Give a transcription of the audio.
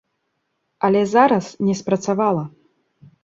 Але зараз не спрацавала.